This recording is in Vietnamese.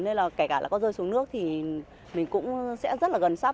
nên là kể cả là con rơi xuống nước thì mình cũng sẽ rất là gần sắp